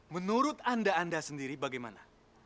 menurut anda sendiri bagaimana